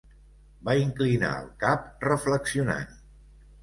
Va inclinar el cap, reflexionant.